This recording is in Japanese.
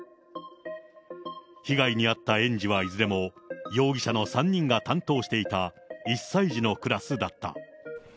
被害に遭った園児はいずれも容疑者の３人が担当していた１歳児のクラスだった。